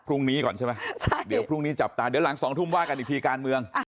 พรุ่งนี้ก่อนใช่ไหมเดี๋ยวพรุ่งนี้จับตาเดี๋ยวหลัง๒ทุ่มว่ากันอีกทีการเมือง